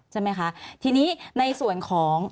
ใช่ไหมคะทีนี้ในส่วนของ